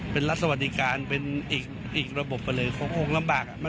เป็นลักษณ์สวัสดิการเป็นอีกระบบเผลอขององค์ลำบาก